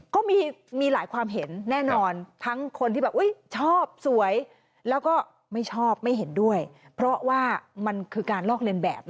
ก็มีหลายความเห็นแน่นอนทั้งคนที่แบบชอบสวยแล้วก็ไม่ชอบไม่เห็นด้วยเพราะว่ามันคือการลอกเลียนแบบ